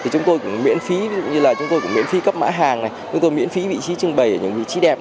chúng tôi cũng miễn phí cấp mã hàng chúng tôi miễn phí vị trí trưng bày ở những vị trí đẹp